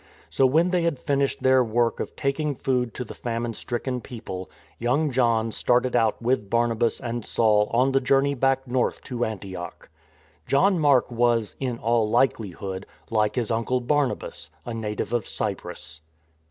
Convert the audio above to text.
So, when they had finished their work of taking food to the famine stricken people, young John started out with Barnabas and Saul on the journey back north to Antioch. John Mark was, in all likelihood, like his uncle Barnabas, a native of Cyprus.